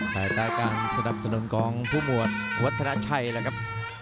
แต่ต้ายกันสำหรับสนุนกองผู้หมวดวัฒนาชัยแล้วครับ